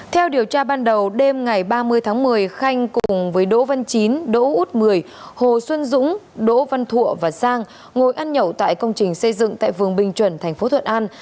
theo điều tra ban đầu đêm ngày ba mươi tháng một mươi khanh cùng với đỗ văn chín đỗ út mười hồ xuân dũng đỗ văn thụ và sang ngồi ăn nhậu tại công trình xây dựng tại phường bình chuẩn thành phố thuận an